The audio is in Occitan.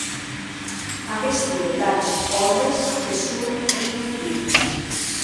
Aguesti detalhs òrres que son inutils.